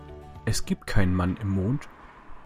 Es gibt keinen Mann im Mond.